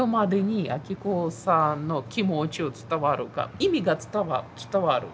意味が伝わる。